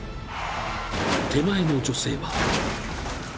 ［手前の女性は］